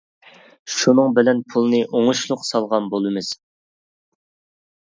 شۇنىڭ بىلەن پۇلنى ئوڭۇشلۇق سالغان بولىمىز.